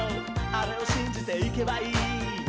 あれをしんじていけばいい」